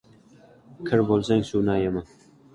• Kir bo‘lsang suvni ayama.